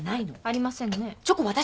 ありません。